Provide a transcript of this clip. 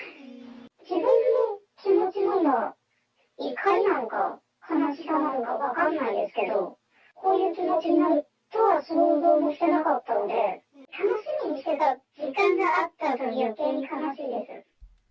自分の気持ちも今、怒りなのか、悲しさなのか分かんないですけど、こういう気持ちになるとは想像もしてなかったので、楽しみにしてた時間があった分、よけいに悲しいです。